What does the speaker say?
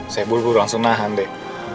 saya buru buru langsung nahan deh